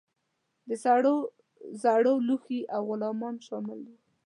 د سرو زرو لوښي او غلامان شامل وه.